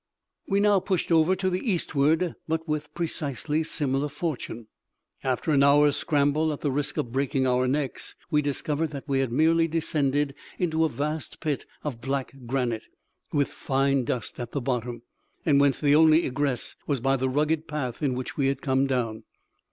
We now pushed over to the eastward, but with precisely similar fortune. After an hour's scramble, at the risk of breaking our necks, we discovered that we had merely descended into a vast pit of black granite, with fine dust at the bottom, and whence the only egress was by the rugged path in which we had come down.